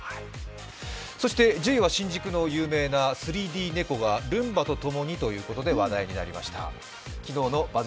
そして１０位は新宿の有名な３Ｄエコ猫がルンバと共にということで話題になりました。